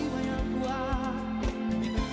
inversenya setentah yuk